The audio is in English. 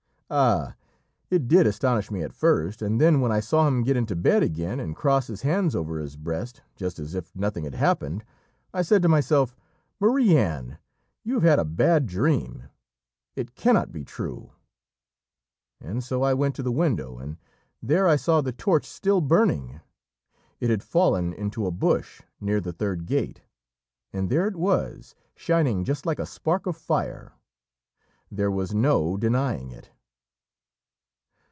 Ah! it did astonish me at first, and then when I saw him get into bed again and cross his hands over his breast just as if nothing had happened, I said to myself, 'Marie Anne, you have had a bad dream; it cannot be true;' and so I went to the window, and there I saw the torch still burning; it had fallen into a bush near the third gate, and there it was shining just like a spark of fire. There was no denying it."